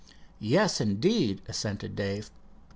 "Yes, indeed," assented Dave.